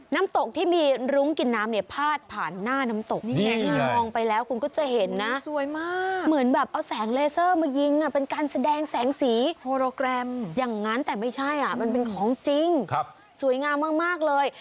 น้ำตกที่มีรุ้งกินน้ำเนี่ยพาดผ่านหน้าน้ำตกนี่ไงมองไปแล้วคุณก็จะเห็นนะสวยมากเหมือนแบบเอาแสงเลเซอร์มายิงเป็นการแสดงแสงสีโฮโรแกรมอย่างนั้นแต่ไม่ใช่มันเป็นของจริงสวยงามมากเลย